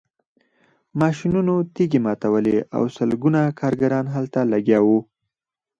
ماشینونو تیږې ماتولې او سلګونه کارګران هلته لګیا وو